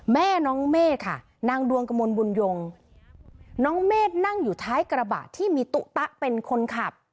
แม่น้องเมฆค่ะนางดวงกระมวลบุญยงน้องเมฆนั่งอยู่ท้ายกระบะที่มีตุ๊ตะเป็นคนขับ